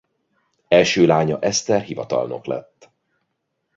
Első lánya Eszter hivatalnok lett.